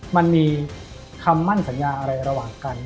มันมีคำมั่นสัญญาอะไรระหว่างกัน